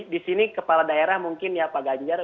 di sini kepala daerah mungkin ya pak ganjar